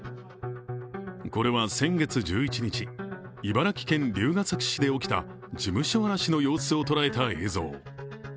これは先月１１日、茨城県龍ケ崎市で起きた事務所荒らしの様子を捉えた映像。